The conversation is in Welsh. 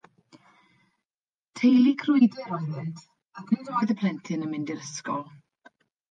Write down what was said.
Teulu crwydr oeddynt, ac nid oedd y plentyn yn mynd i'r ysgol.